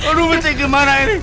aduh pak rete gimana ini